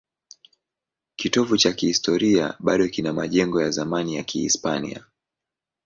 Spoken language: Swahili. Kitovu cha kihistoria bado kina majengo ya zamani ya Kihispania.